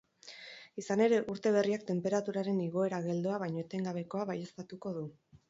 Izan ere, urte berriak tenperaturaren igoera geldoa baina etengabekoa baieztatuko du.